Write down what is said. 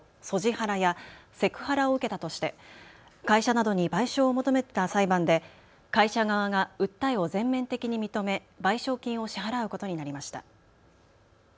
ハラやセクハラを受けたとして会社などに賠償を求めた裁判で会社側が訴えを全面的に認め賠償金を支払うことになりました。